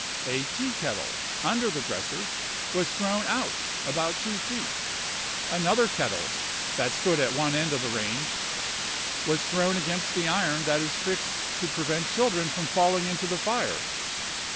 A teakettle under the dresser was thrown out about two feet; another kettle, that stood at one end of the range, was thrown against the iron that is fixed to prevent children from falling into the fire.